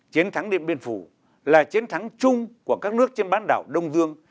chiến thắng điện biên phủ là chiến thắng chung của các nước trên bán đảo đông dương